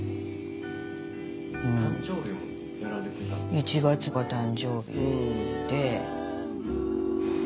１月が誕生日で。